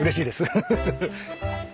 フフフフ。